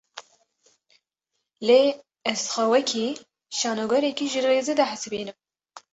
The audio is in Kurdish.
Lê, ez xwe wekî şanogerekî ji rêzê dihesibînim